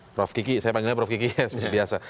prof kiki saya panggilnya prof kiki yang biasa